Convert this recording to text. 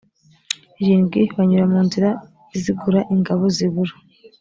irindwi banyura mu nzira izigura ingabo zibura